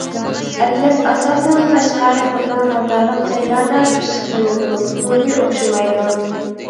ئەتلەس ئاساسەن قەشقەر، خوتەن قاتارلىق جايلاردا پىششىقلىنىدۇ ئۇسلۇبى ئوخشىمايدۇ.